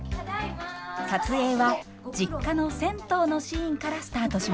撮影は実家の銭湯のシーンからスタートしました。